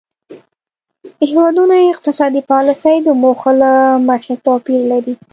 د هیوادونو اقتصادي پالیسۍ د موخو له مخې توپیر لري